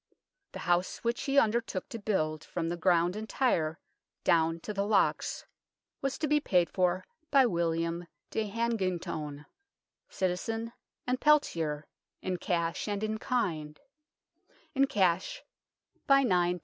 The house which he undertook to build from the ground entire, down to the locks, was to be paid 246 UNKNOWN LONDON for by William de Hanigtone, citizen and pelterer, in cash and in kind ; in cash by 9, 55.